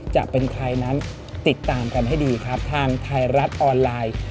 จะเป็นใครนั้นติดตามกันให้ดีครับทางไทยรัฐออนไลน์